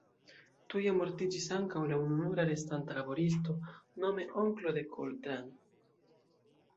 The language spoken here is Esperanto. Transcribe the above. Tuje mortiĝis ankaŭ la ununura restanta laboristo, nome onklo de Coltrane.